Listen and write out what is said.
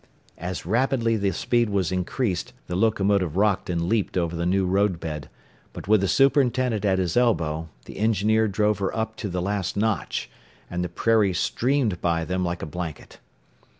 As rapidly the speed was increased, the locomotive rocked and leaped over the new roadbed, but with the superintendent at his elbow, the engineer drove her up to the last notch, and the prairie streamed by them like a blanket.